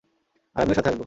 আর আমিও সাথে আসব।